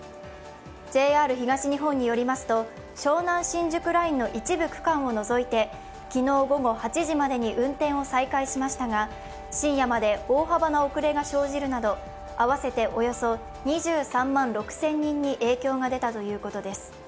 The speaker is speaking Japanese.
ＪＲ東日本によりますと、湘南新宿ラインの一部区間を除いて昨日午後８時までに運転を再開しましたが深夜まで大幅な遅れが生じるなど、合わせておよそ２３万６０００人に影響が出たということです。